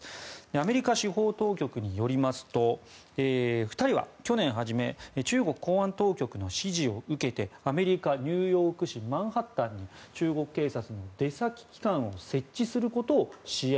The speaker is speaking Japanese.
アメリカ司法当局によりますと２人は去年初め中国公安当局の指示を受けてアメリカ・ニューヨーク市マンハッタンに中国警察の出先機関を設置することを支援